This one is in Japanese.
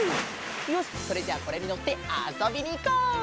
よしそれじゃあこれにのってあそびにいこう！